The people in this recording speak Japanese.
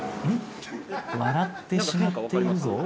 笑ってしまっているぞ。